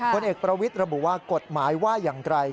ผลเอกประวิทย์ระบุว่ากฎหมายว่าอย่างไร